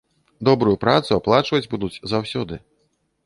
Добрую працу аплачваць будуць заўсёды.